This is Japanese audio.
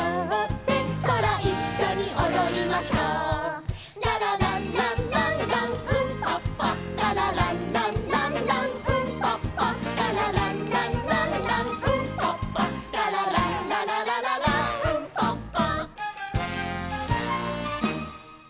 「そらいっしょにおどりましょう」「ララランランランランウンパッパ」「ララランランランランウンパッパ」「ララランランランランウンパッパ」「ララランラララララーウンパッパ」